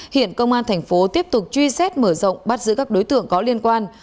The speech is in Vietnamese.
hiện công an thành phố tiếp tục truy xét mở rộng bắt giữ các đối tượng có liên quan